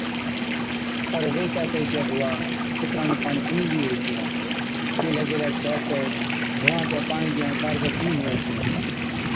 پر ويھِچ آڪھِي چا ڌُوئا پِتران نُون پاڻِي ڪونھِي ڏِيئَي ھِتيا (ڪيهلَي گيلَي ڇَي تہ ڌُوئا پاڻِي ڏِيئڻ ڪارگر ڪونهِي هُوَي ڇَي)